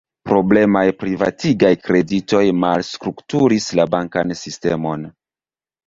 Problemaj privatigaj kreditoj malstrukturis la bankan sistemon.